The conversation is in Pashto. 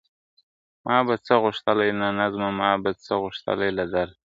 ما به څه غوښتای له نظمه ما به څه غوښتای له درده ..